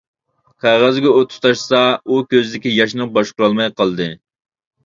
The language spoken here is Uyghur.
قەغەزگە ئوت تۇتاشسا. ئۇ كۆزىدىكى ياشنى باشقۇرالماي قالدى.